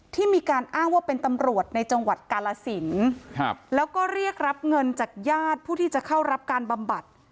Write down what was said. มีการอ้างว่าเป็นตำรวจในจังหวัดกาลสินครับแล้วก็เรียกรับเงินจากญาติผู้ที่จะเข้ารับการบำบัด